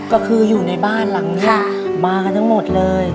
ก็คืออยู่ในบ้านหลังนี้มากันทั้งหมดเลย